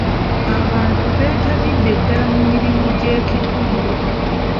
Abantu betabidde ddala mu mirimu gy'ekitundu.